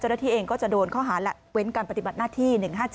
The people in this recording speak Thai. เจ้าหน้าที่เองก็จะโดนข้อหาและเว้นการปฏิบัติหน้าที่๑๕๗